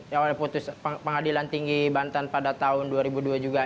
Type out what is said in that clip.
yang sudah putus pengadilan tinggi banten pada tahun dua ribu dua juga